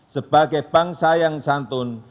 sebagai bangsa yang santun